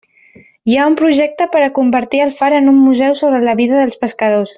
Hi ha un projecte per a convertir el far en un museu sobre la vida dels pescadors.